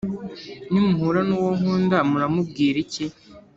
nimuhura n’uwo nkunda, muramubwira iki?